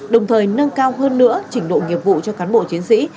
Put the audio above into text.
đồng thời nâng cao hơn nữa trình độ nghiệp vụ cho cán bộ chiến sĩ